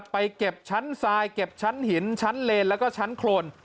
ไปเก็บชั้นทรายเก็บชั้นหินชั้นเลนแล้วก็ชั้นโครน